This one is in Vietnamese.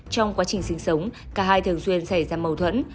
trong quá trình sinh sống cả hai thường xuyên xảy ra mâu thuẫn